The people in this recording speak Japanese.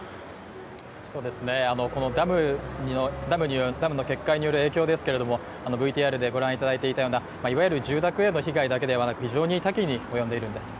このダムの決壊による影響ですけども、ＶＴＲでご覧いただいていたような、いわゆる住宅への被害だけでなく非常に多岐に及んでいるんです。